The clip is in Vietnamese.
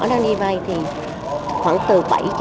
đang đi vay thì khoảng từ bảy năm